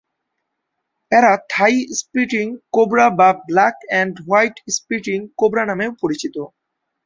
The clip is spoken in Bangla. এরা থাই স্পিটিং কোবরা বা black and white spitting cobra নামেও পরিচিত।